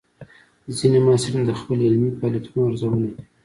ځینې محصلین د خپل علمي فعالیتونو ارزونه کوي.